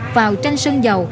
vào tranh sân giàu